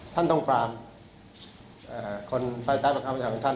ท่านต้องปลามคนตายประคาประชาชน์เป็นท่าน